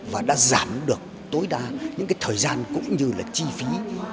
và đã giảm được tối đa những thời gian cũng như chi phí